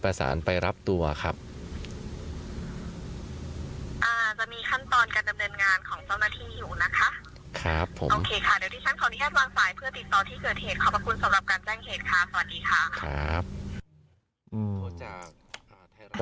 ขอบคุณสำหรับการแจ้งเหตุครับสวัสดีค่ะ